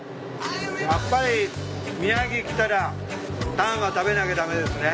やっぱり宮城来たらタンは食べなきゃ駄目ですね。